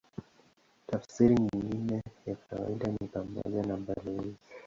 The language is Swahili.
Tafsiri nyingine ya kawaida ni pamoja na balozi.